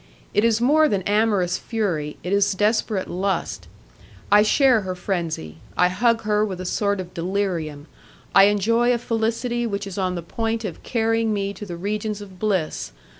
It is more than amorous fury, it is desperate lust. I share her frenzy, I hug her with a sort of delirium, I enjoy a felicity which is on the point of carrying me to the regions of bliss....